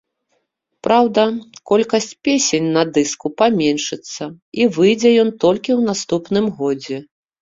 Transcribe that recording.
Праўда, колькасць песень на дыску паменшыцца і выйдзе ён толькі ў наступным годзе.